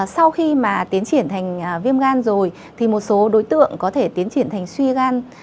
sau khi mà tiến triển thành viêm gan rồi thì một số đối tượng có thể tiến triển thành suy gan